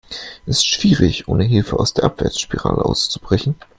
Es ist schwierig, ohne Hilfe aus der Abwärtsspirale auszubrechen.